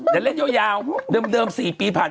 จะเล่นยาวยาวเดิม๔ปีผ่าน